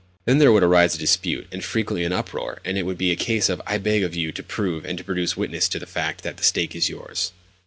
Then there would arise a dispute, and frequently an uproar; and it would be a case of "I beg of you to prove, and to produce witnesses to the fact, that the stake is yours."